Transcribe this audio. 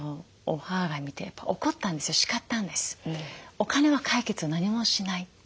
お金は解決を何もしない。